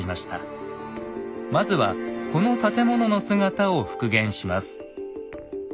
まずはこの建物の姿を復元します。